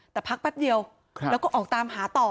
แต่พักแป๊บเดียวแล้วก็ออกตามหาต่อ